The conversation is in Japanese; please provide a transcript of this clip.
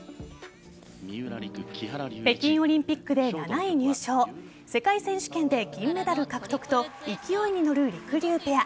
北京オリンピックで７位入賞世界選手権で銀メダル獲得と勢いに乗るりくりゅうペア。